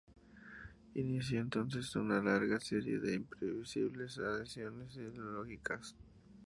Inició entonces una larga serie de imprevisibles adhesiones ideológicas.